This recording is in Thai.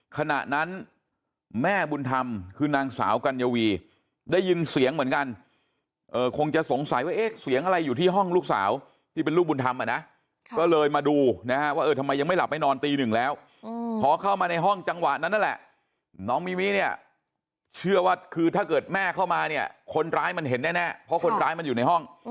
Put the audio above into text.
ขณะนั้นแม่บุญธรรมคือนางสาวกัญญาวีได้ยินเสียงเหมือนกันคงจะสงสัยว่าเอ๊ะเสียงอะไรอยู่ที่ห้องลูกสาวที่เป็นลูกบุญธรรมอ่ะนะก็เลยมาดูนะฮะว่าเออทำไมยังไม่หลับไม่นอนตีหนึ่งแล้วพอเข้ามาในห้องจังหวะนั้นนั่นแหละน้องมิวิเนี่ยเชื่อว่าคือถ้าเกิดแม่เข้ามาเนี่ยคนร้ายมันเห็นแน่เพราะคนร้ายมันอยู่ในห้อง